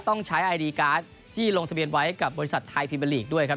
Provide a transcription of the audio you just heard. ต้องใช้ไอดีการ์ดที่ลงทะเบียนไว้กับบริษัทไทยพรีเมอร์ลีกด้วยครับ